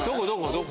どこ？